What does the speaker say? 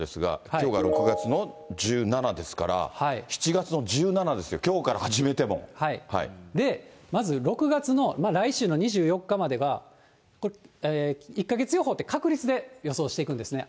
きょうが６月の１７ですから、７月の１７ですよ、きょうから始めで、まず６月の、来週の２４日までが、１か月予報って確率で予想していくんですね。